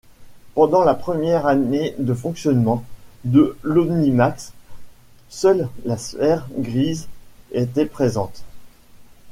Pendant la première année de fonctionnement de l'Omnimax, seule la sphère grise était présente.